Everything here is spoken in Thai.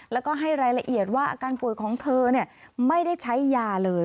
แล้วก็ให้รายละเอียดว่าอาการป่วยของเธอไม่ได้ใช้ยาเลย